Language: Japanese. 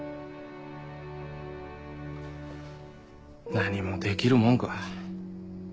何もできるもんか。